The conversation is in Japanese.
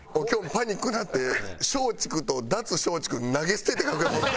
パニックになって松竹と脱松竹投げ捨てて楽屋に戻った。